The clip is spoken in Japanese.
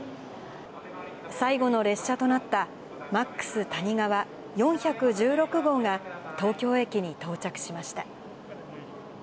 最後の列車となった、Ｍａｘたにがわ４１６号が、東京駅に到着しました。